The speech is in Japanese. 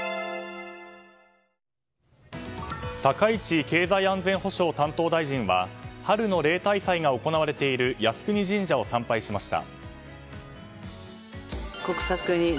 高市経済安全保障担当大臣は春の例大祭が行われている靖国神社を参拝しました。